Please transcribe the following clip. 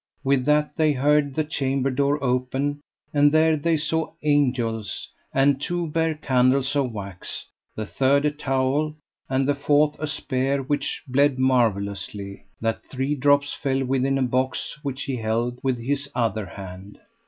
With that they heard the chamber door open, and there they saw angels; and two bare candles of wax, and the third a towel, and the fourth a spear which bled marvellously, that three drops fell within a box which he held with his other hand.